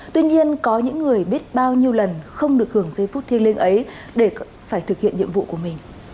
tuy nhiên có những người biết bao nhiêu lần không được hưởng giây phút thiêng liêng ấy để phải thực hiện nhiệm vụ của mình